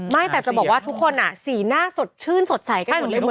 ไม่แต่จะบอกว่าทุกคนสีหน้าสดชื่นสดใสกันหมดเลย